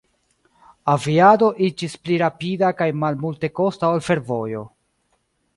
Aviado iĝis pli rapida kaj malmultekosta ol fervojo.